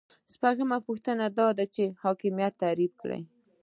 شپږمه پوښتنه دا ده چې حاکمیت تعریف کړئ.